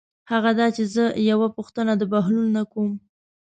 هغه دا چې زه یوه پوښتنه د بهلول نه کوم.